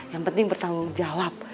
yang penting bertanggung jawab